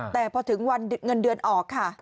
แต่พอถึงวันเงินเดือนออกค่ะ